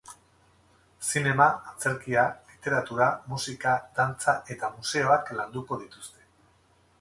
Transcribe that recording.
Zinema, antzerkia, literatura, musika, dantza eta museoak landuko dituzte.